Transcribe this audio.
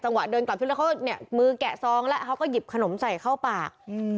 จังหวะเดินกลับที่แล้วเขาเนี่ยมือแกะซองแล้วเขาก็หยิบขนมใส่เข้าปาก